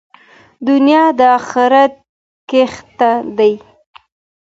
دنیا د آخرت کښت دی.